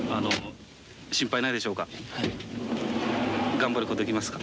頑張ることできますか？